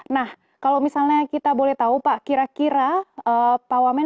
nah kalau misalnya kita boleh tahu pak kira kira pak wamen